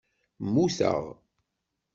Mmuteɣ.